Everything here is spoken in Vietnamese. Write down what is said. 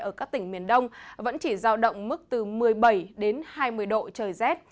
ở các tỉnh miền đông vẫn chỉ giao động mức từ một mươi bảy đến hai mươi độ trời rét